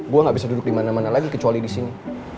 gue gak bisa duduk dimana mana lagi kecuali disini